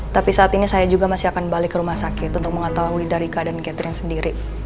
tapi saat ini saya juga masih akan balik ke rumah sakit untuk mengetahui dari keadaan catherine sendiri